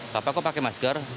bapak kok pakai masker